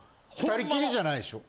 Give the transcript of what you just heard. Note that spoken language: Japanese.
２人きりじゃないでしょ？